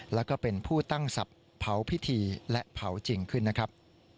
แล้วก็เป็นผู้ตั้งศัพท์เผาพิธีและเผาจริงขึ้นนะครับ